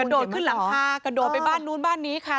โดดขึ้นหลังคากระโดดไปบ้านนู้นบ้านนี้ค่ะ